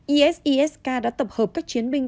isis k đã tập hợp các chiến binh